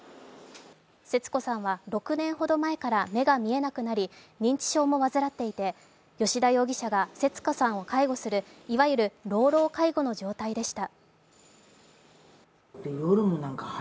節子さんは６年ほど前から目が見えなくなり認知症も患っていて吉田容疑者が節子さんを介護するいわゆる老老介護の状態でした。